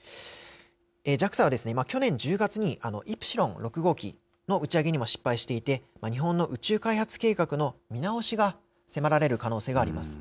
ＪＡＸＡは、去年１０月に、イプシロン６号機の打ち上げにも失敗していて、日本の宇宙開発計画の見直しが迫られる可能性があります。